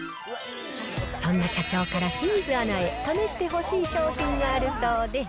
そんな社長から清水アナへ、試してほしい商品があるそうで。